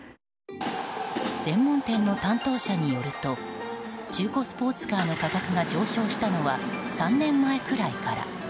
専門店の担当者によると中古スポーツカーの価格が上昇したのは３年前くらいから。